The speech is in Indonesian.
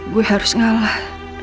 gue harus ngalah